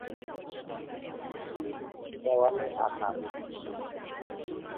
কি দেওয়ালে আঘাত!